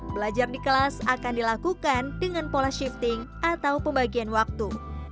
belajar di kelas akan dilakukan dengan pola shifting atau pembagian waktu